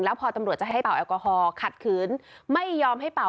แล้วพอตำรวจจะให้เป่าแอลกอฮอลขัดขืนไม่ยอมให้เป่า